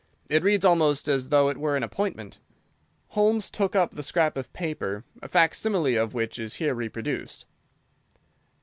It reads almost as though it were an appointment." Holmes took up the scrap of paper, a facsimile of which is here reproduced.